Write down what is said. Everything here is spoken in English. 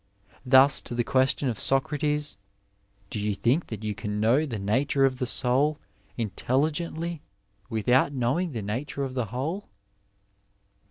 Thus to the question of Socrates, " Do you think that you can know the nature of the soul intelligentiy without knowing the nature of the whole